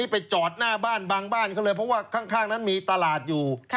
เพราะว่าข้างนั้นมีตลาดอยู่